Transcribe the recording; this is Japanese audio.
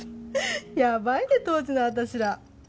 ヤバいね当時の私ら。